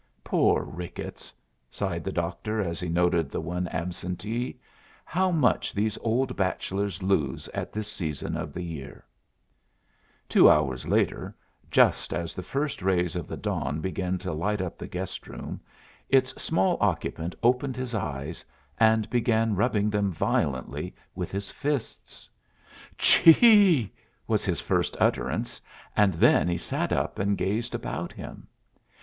"Poor Ricketts!" sighed the doctor, as he noted the one absentee. "How much these old bachelors lose at this season of the year!" Two hours later, just as the first rays of the dawn began to light up the guest room, its small occupant opened his eyes, and began rubbing them violently with his fists. "Chee!" was his first utterance, and then he sat up and gazed about him.